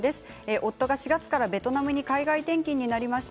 夫が４月からベトナムに海外転勤になりました。